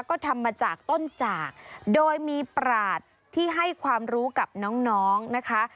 ก็ทำมาจากต้นจากโดยมีปราศที่ให้ความรู้กับน้องนะคะ